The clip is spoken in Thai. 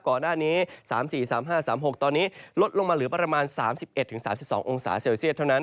ก่อนหน้านี้๓๔๓๕๓๖ตอนนี้ลดลงมาเหลือประมาณ๓๑๓๒องศาเซลเซียตเท่านั้น